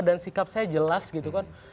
dan sikap saya jelas gitu kan